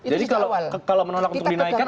jadi kalau menolak untuk dinaikkan